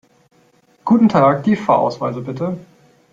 Guten Tag, die Fahrausweise bitte!